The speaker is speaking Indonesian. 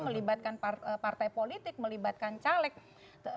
melibatkan partai politik melibatkan caleg